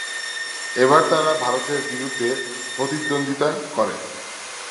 এবার তারা ভারতের বিরুদ্ধে প্রতিদ্বন্দ্বিতা করে।